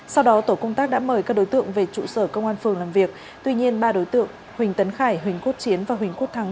sau đó tổ công tác đã mời các đối tượng về trụ sở công an phường làm việc tuy nhiên ba đối tượng huỳnh tấn khải huỳnh quốc chiến và huỳnh quốc thắng